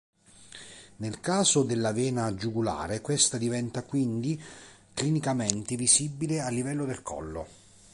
Nel caso della vena giugulare, questa diventa quindi clinicamente visibile a livello del collo.